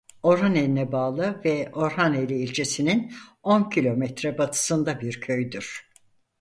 Orhaneli'ne bağlı ve Orhaneli ilçesinin on kilometre batısında bir köydür.